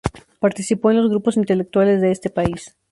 Participó en los grupos intelectuales de este país.